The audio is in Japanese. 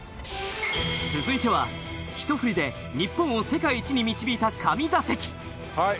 続いては一振りで日本を世界一に導いた神打席。